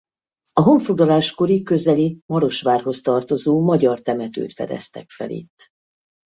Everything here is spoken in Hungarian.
A honfoglalás kori közeli Marosvárhoz tartozó magyar temetőt fedeztek fel itt.